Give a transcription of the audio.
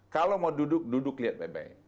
kalau mau duduk duduk lihat baik baik